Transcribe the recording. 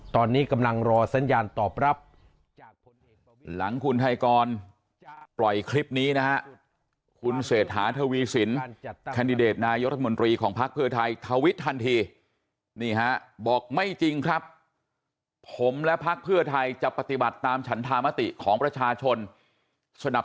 ตอนนี้กำลังรอสัญญาณตอบรับ